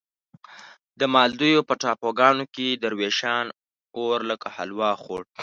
د مالدیو په ټاپوګانو کې دروېشان اور لکه حلوا خوړ.